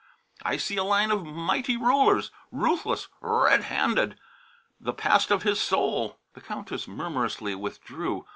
I see a line of mighty rulers, ruthless, red handed the past of his soul." The Countess murmurously withdrew.